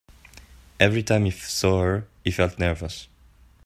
Every time he saw her, he felt nervous.